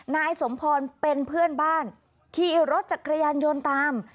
นายสมพรเป็นเพื่อนบ้านขี่รถจักรยานยนต์ตาม